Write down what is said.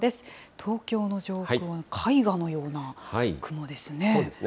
東京の上空は絵画のような雲ですね。